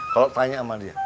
kalo tanya sama dia